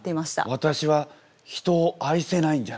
「私は人を愛せないんじゃないか？」